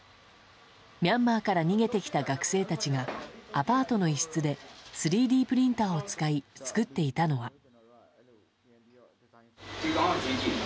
ミャンマーから逃げてきた学生たちがアパートの一室で３Ｄプリンターを使い作っていたのは。